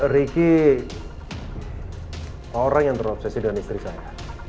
ricky orang yang terobsesi dengan istri saya